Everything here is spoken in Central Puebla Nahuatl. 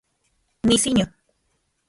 Nisiño